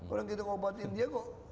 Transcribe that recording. orang kita ngobatin dia kok